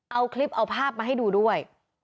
เอาคลิปเอาภาพมาให้ดูด้วย